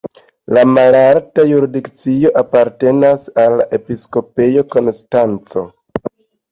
La malalta jurisdikcio apartenis al la Episkopejo Konstanco.